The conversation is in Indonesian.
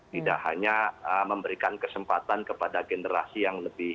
tidak hanya memberikan kesempatan kepada generasi yang lebih